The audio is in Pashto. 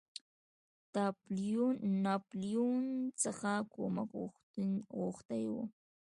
ناپولیون څخه کومک غوښتی وو.